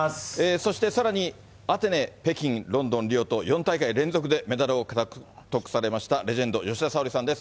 そしてさらに、アテネ、北京、ロンドン、リオと４大会連続でメダルを獲得されました、レジェンド、吉田沙保里さんです。